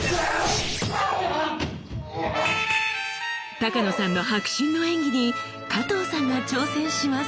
多加野さんの迫真の演技に加藤さんが挑戦します！